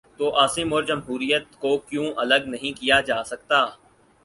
تو عاصم اور جمہوریت کو کیوں الگ نہیں کیا جا سکتا؟